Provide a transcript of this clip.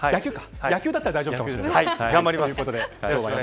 野球だったら大丈夫かもしれないです。